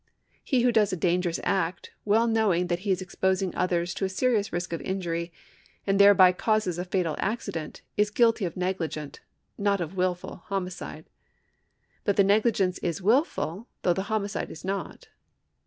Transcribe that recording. He who does a dangerous act, well knowing that he is exposing others to a serious risk of injury, and thereby causes a fatal accident, is guilty of negligent, not of wUful homicide. But the negligence is wilful, though the homicide is not.